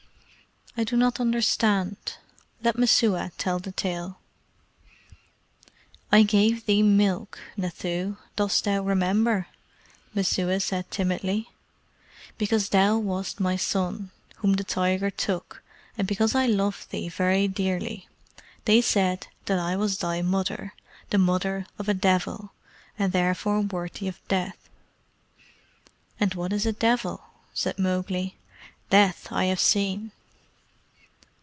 "I do not understand. Let Messua tell the tale." "I gave thee milk, Nathoo; dost thou remember?" Messua said timidly. "Because thou wast my son, whom the tiger took, and because I loved thee very dearly. They said that I was thy mother, the mother of a devil, and therefore worthy of death." "And what is a devil?" said Mowgli. "Death I have seen."